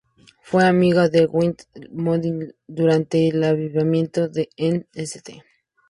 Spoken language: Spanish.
Fue amigo de Dwight L. Moody durante el avivamiento en St.